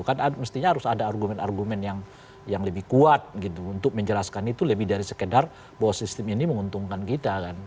kan mestinya harus ada argumen argumen yang lebih kuat gitu untuk menjelaskan itu lebih dari sekedar bahwa sistem ini menguntungkan kita kan